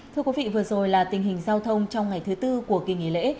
thưa quý vị vừa rồi là tình hình giao thông trong ngày thứ tư của kỳ nghỉ lễ